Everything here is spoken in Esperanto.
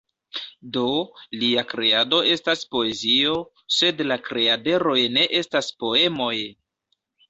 Do, lia kreado estas poezio, sed la kreaderoj ne estas poemoj!